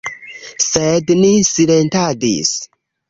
Sed ni silentadis.